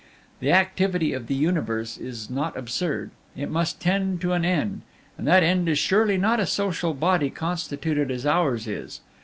"The activity of the universe is not absurd; it must tend to an end, and that end is surely not a social body constituted as ours is!